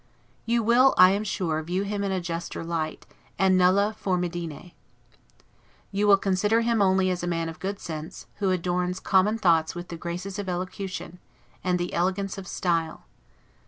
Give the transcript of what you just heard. You will, I am sure, view him in a juster light, and 'nulla formidine'. You will consider him only as a man of good sense, who adorns common thoughts with the graces of elocution, and the elegance of style.